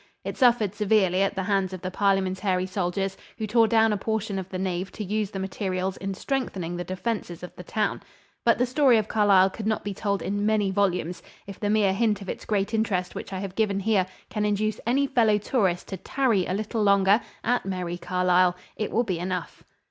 It suffered severely at the hands of the Parliamentary soldiers, who tore down a portion of the nave to use the materials in strengthening the defenses of the town. But the story of Carlisle could not be told in many volumes. If the mere hint of its great interest which I have given here can induce any fellow tourist to tarry a little longer at "Merrie Carlile," it will be enough.